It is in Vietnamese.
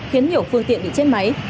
khiến nhiều phương tiện bị chết máy